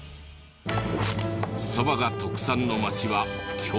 そばが特産の町は強豪校。